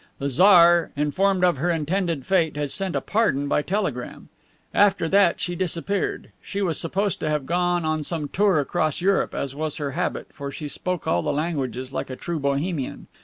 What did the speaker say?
The Tsar, informed of her intended fate, had sent a pardon by telegraph. After that she disappeared. She was supposed to have gone on some tour across Europe, as was her habit, for she spoke all the languages, like a true Bohemian.